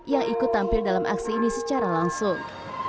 yang ikut tampil dalam aksi ini secara langsung